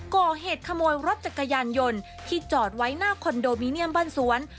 ก่อเหตุขโมยรถจักรยานยนต์ที่จอดไว้หน้าคอนโดมิเนียมบ้านสวน